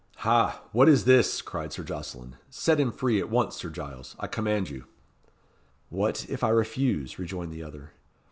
"Ha! what is this?" cried Sir Jocelyn. "Set him free, at once, Sir Giles, I command you." "What, if I refuse?" rejoined the other.